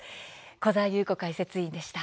小澤優子解説委員でした。